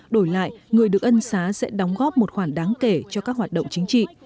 đổi lại người được ân xá sẽ đóng góp một khoản đáng kể cho các hoạt động chính trị